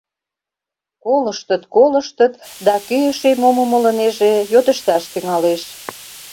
Колыштыт-колыштыт, да кӧ эше мом умылынеже, йодышташ тӱҥалеш.